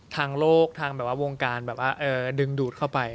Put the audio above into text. ทางโลกทางแบบว่าวงการแบบว่าดึงดูดเข้าไป